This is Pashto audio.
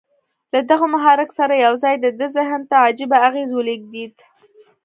له دغه محرک سره یو ځای د ده ذهن ته عجيبه اغېز ولېږدېد